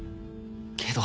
けど